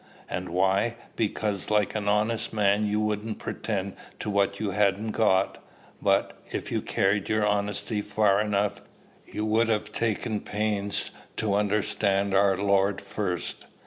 "And why? Because, like an honest man, you wouldn't pretend to what you hadn't got. But, if you carried your honesty far enough, you would have taken pains to understand our Lord first.